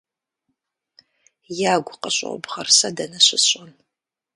- Ягу къыщӀобгъэр сэ дэнэ щысщӀэн?